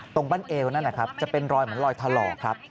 ตรงบั้นเอวนั่นจะเป็นรอยเหมือนรอยทะลอ